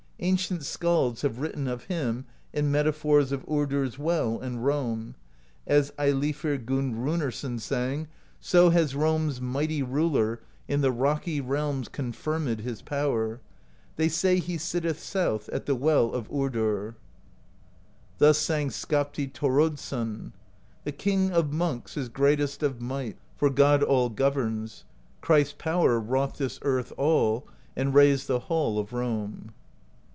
Ancient skalds have written of Him in metaphors of Urdr's Well and Rome; as Eilifr Gudrunarson sang: THE POESY OF SKALDS 195 So has Rome's Mighty Ruler In the Rocky Realms confirmed His power; they say He sitteth South, at the Well of Urdr. Thus sang Skapti Thoroddsson: The King of Monks is greatest Of might, for God all governs; Christ's power wrought this earth all, And raised the Hall of Rome.